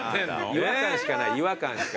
違和感しかない違和感しか。